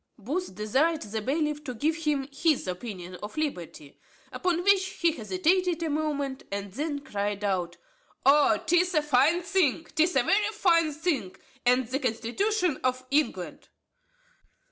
Booth desired the bailiff to give him his opinion on liberty. Upon which, he hesitated a moment, and then cried out, "O 'tis a fine thing, 'tis a very fine thing, and the constitution of England."